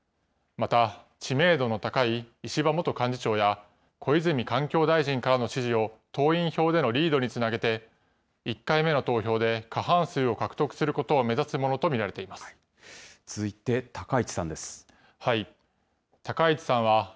また、知名度の高い石破元幹事長や、小泉環境大臣からの支持を、党員票でのリードにつなげて、１回目の投票で過半数を獲得することを目指すものと見られていま続いて高市さんです。